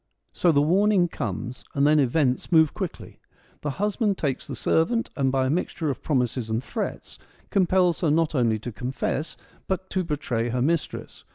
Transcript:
So the warning comes, and then events move quickly. The husband takes the servant, and by a mixture of promises and threats compels her not only to confess, but to betray her mistress.